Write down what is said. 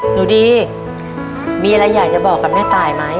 หนูดีมีอะไรอยากจะบอกกับแม่ตายไหม